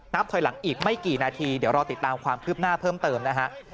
ถอยหลังอีกไม่กี่นาทีเดี๋ยวรอติดตามความคืบหน้าเพิ่มเติมนะฮะ